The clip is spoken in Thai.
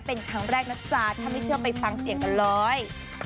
เป็นครั้งแรกนะจ๊ะถ้าไม่เชื่อไปฟังเสียงกันเลย